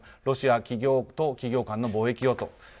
ロシア企業と企業間の貿易をと。